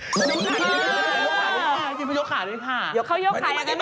ถึงเขาหยกใจขาดใช่ไหม